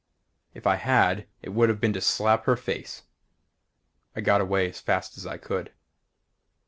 If I had it would have been to slap her face. I got away as fast as I could.